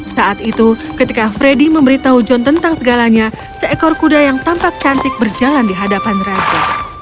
saat itu ketika freddy memberitahu john tentang segalanya seekor kuda yang tampak cantik berjalan di hadapan raja